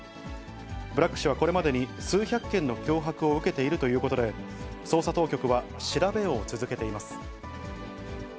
ブラッグ氏はこれまでに、数百件の脅迫を受けているということで、捜査当局は調べを続けています。